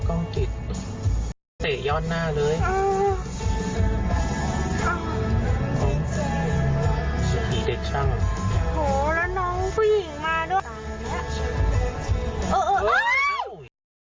โอ้โหแล้วน้องผู้หญิงมาด้วย